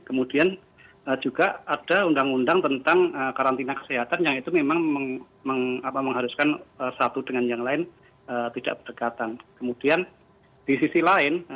kemudian juga ada undang undang tentang karantina kesehatan yang itu memang mengharuskan satu dengan yang lain